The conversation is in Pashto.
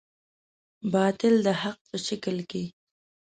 باطل د حق په شکل کې.